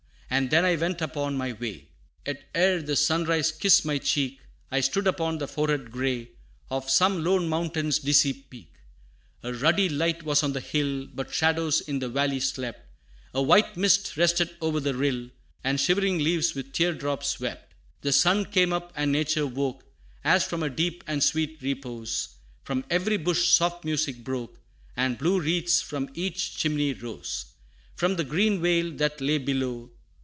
And then I went upon my way; Yet ere the sunrise kissed my cheek, I stood upon the forehead gray Of some lone mountain's dizzy peak. A ruddy light was on the hill, But shadows in the valley slept; A white mist rested o'er the rill, And shivering leaves with tear drops wept. The sun came up, and nature woke, As from a deep and sweet repose; From every bush soft music broke, And blue wreaths from each chimney rose. From the green vale that lay below.